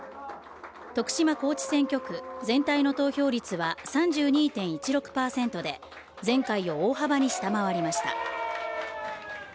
徳島・高知選挙区、全体の投票率は３２．１６％で、前回を大幅に下回りました。